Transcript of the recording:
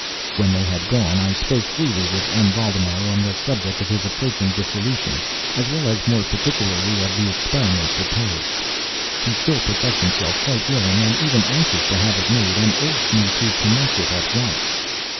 When they had gone, I spoke freely with M. Valdemar on the subject of his approaching dissolution, as well as, more particularly, of the experiment proposed. He still professed himself quite willing and even anxious to have it made, and urged me to commence it at once.